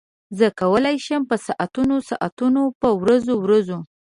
زه کولای شم په ساعتونو ساعتونو په ورځو ورځو.